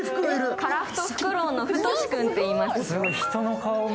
カラフトフクロウのフトシくんっていいます。